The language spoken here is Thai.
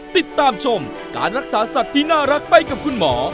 ติดตามชมการรักษาสัตว์ที่น่ารักไปกับคุณหมอ